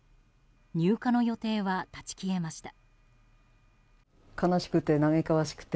入荷の予定は立ち消えました。